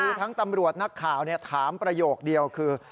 คือทั้งตำรวจนักข่าวถามประโยคเดียวคือ